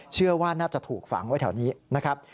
เชื่อว่าน่าจะถูกฝังไว้แถวนี้นะครับ